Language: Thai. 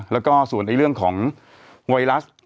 แล้วก็ส่วนเรื่องของไวรัส